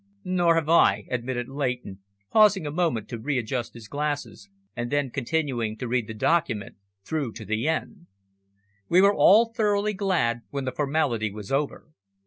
"Nor have I," admitted Leighton, pausing a moment to readjust his glasses, and then continuing to read the document through to the end. We were all thoroughly glad when the formality was over.